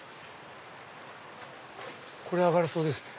これ上がれそうですね。